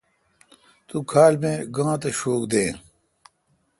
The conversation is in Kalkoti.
تو کھال می گانتھ شوک دین۔